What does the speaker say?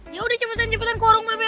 yaudah cepetan cepetan ke warung babe